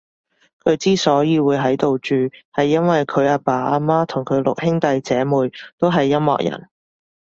佢之所以會喺度住，係因為佢阿爸阿媽同佢個六兄弟姐妹都係音樂人